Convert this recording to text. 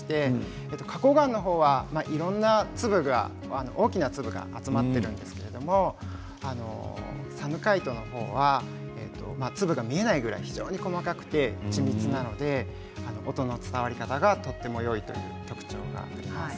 花こう岩のほうはいろいろな粒大きな粒が集まっているんですけれどもサヌカイトのほうは粒が見えないぐらい非常に細かくて緻密なので音の伝わり方がとてもよいという特徴があります。